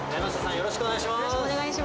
よろしくお願いします。